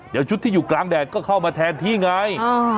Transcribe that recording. เดี๋ยวชุดที่อยู่กลางแดดก็เข้ามาแทนที่ไง